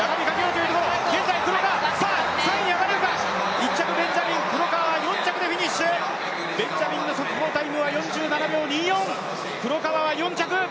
１着ベンジャミン、黒川は４着でフィニッシュ、ベンジャミンの速報タイムは４７秒２４黒川は４着。